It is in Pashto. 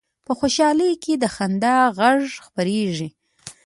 په خوشحالۍ کې د خندا غږ خپرېږي